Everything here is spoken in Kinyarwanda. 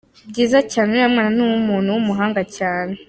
Byiza cyane, uriya mwanya nuw’umuntu w’umuhanga cyane.